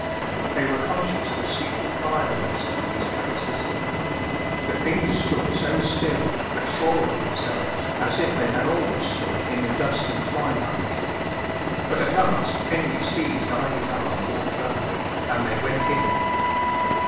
They were conscious of a secret vileness in these faces. The things stood so still, but sure of themselves, as. if they had always stood in the dust and twilight. But at last Henry seized Ivy's arm more firmly and they went in.